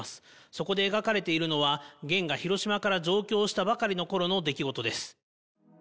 そこで描かれているのは、ゲンが広島から上京したばかりのころの出来事です。